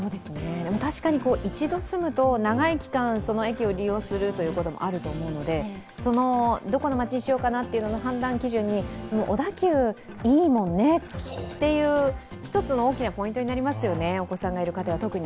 確かに一度住むと、長い期間、その駅を利用することがあると思うのでどこの町にしようかという判断基準に小田急、いいもんねっていう１つの大きなポイントになりますよね、お子さんがいる家庭は特に。